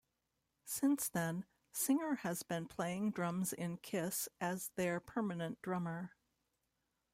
Since then, Singer has been playing drums in Kiss as their permanent drummer.